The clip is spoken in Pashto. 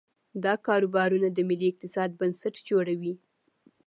دا کاروبارونه د ملي اقتصاد بنسټ جوړوي.